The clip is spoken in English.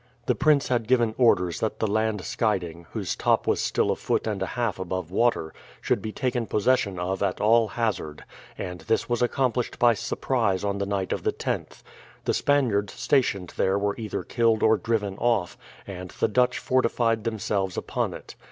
The prince had given orders that the Land Scheiding, whose top was still a foot and a half above water, should be taken possession of at all hazard, and this was accomplished by surprise on the night of the 10th. The Spaniards stationed there were either killed or driven off, and the Dutch fortified themselves upon it.